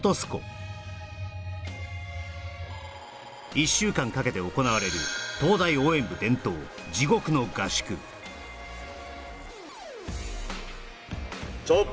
１週間かけて行われる東大応援部伝統「地獄の合宿」ちはっ！